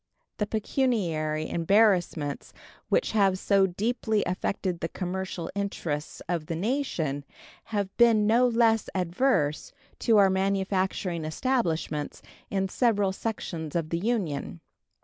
The pecuniary embarrassments which have so deeply affected the commercial interests of the nation have been no less adverse to our manufacturing establishments in several sections of the Union.